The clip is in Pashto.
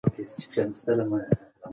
زده کوونکي تېر وخت کې په مینه زده کړه کوله.